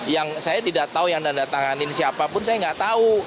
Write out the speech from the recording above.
yang saya tidak tahu yang nanda tanganin siapapun saya nggak tahu